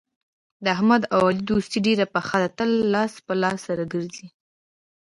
د احمد او علي دوستي ډېره پخه ده تل لاس په لاس سره ګرځي.